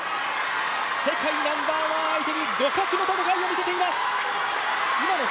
世界ナンバーワン相手に互角の戦いを見せています。